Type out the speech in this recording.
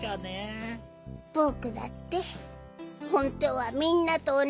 ぼくだってほんとうはみんなとおなじようにふきたい。